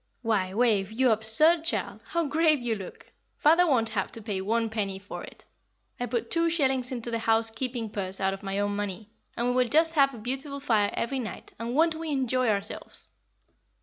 Why, Wave, you absurd child, how grave you look! Father won't have to pay one penny for it. I put two shillings into the housekeeping purse out of my own money, and we will just have a beautiful fire every night; and won't we enjoy ourselves!"